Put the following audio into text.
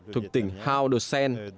thuộc tỉnh hào đột xen